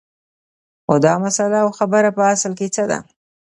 خو دا مسله او خبره په اصل کې څه ده